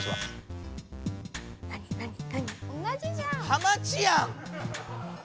ハマチやん！